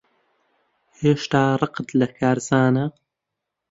هێشتا ڕقت لە کارزانە؟